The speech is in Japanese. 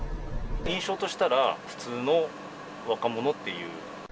印象としたら、普通の若者っていう？